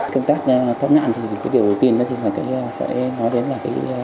công tác thoát nạn thì điều đầu tiên phải nói đến là